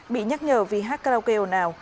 bị nhắc nhở vì hát karaoke ồn ào